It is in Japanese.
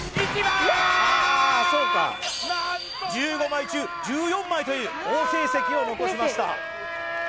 １５枚中１４枚という好成績を残しました